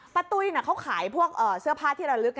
ตุ้ยเขาขายพวกเสื้อผ้าที่ระลึก